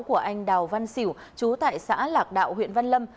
của anh đào văn xỉu trú tại xã lạc đạo huyện văn lâm